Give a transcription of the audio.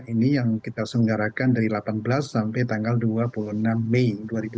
ini yang kita senggarakan dari delapan belas sampai tanggal dua puluh enam mei dua ribu dua puluh